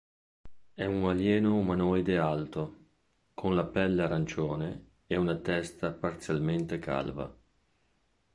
È un alieno umanoide alto, con la pelle arancione e una testa parzialmente calva.